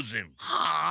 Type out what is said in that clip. はあ？